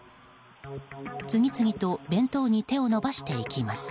次々と弁当に手を伸ばしていきます。